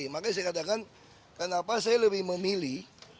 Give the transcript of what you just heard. makanya saya katakan kenapa saya lebih memilih